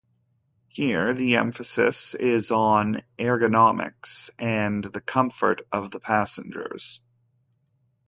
Here the emphasis is on ergonomics and the comfort of the passengers.